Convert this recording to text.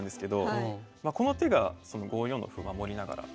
この手が５四の歩守りながら。